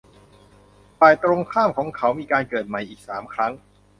ฝ่ายตรงข้ามของเขามีการเกิดใหม่อีกสามครั้ง